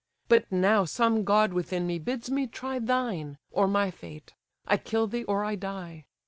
But now some god within me bids me try Thine, or my fate: I kill thee, or I die.